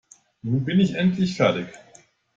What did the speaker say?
Nun bin ich endlich fertig.